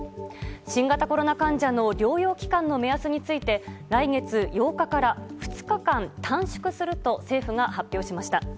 新型コロナ患者の療養期間の目安について来月８日から２日間短縮すると政府が発表しました。